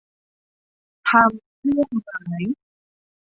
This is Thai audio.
ทำเครื่องหมาย